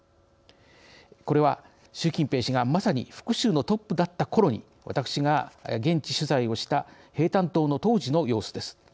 これは習近平氏がまさに福州のトップだったころに私が現地取材をした平潭島の当時の様子です。